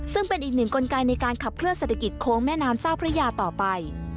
ซึ่งเป็นอีกหนึ่งกลไกในการขับเคลื่อเศรษฐกิจโค้งแม่น้ำเจ้าพระยาต่อไป